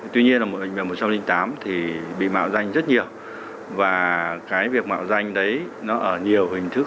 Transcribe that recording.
tuy nhiên là bệnh viện một trăm linh tám thì bị mạo danh rất nhiều và cái việc mạo danh đấy nó ở nhiều hình thức